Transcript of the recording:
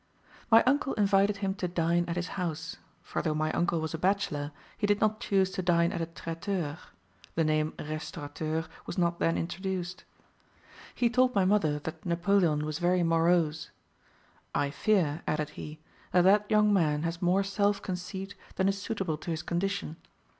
My uncle invited him to dine at his house; for though my uncle was a bachelor, he did not choose to dine at a 'traiteur' (the name 'restaurateur' was not then introduced). He told my mother that Napoleon was very morose. 'I fear,' added he, 'that that young man has more self conceit than is suitable to his condition.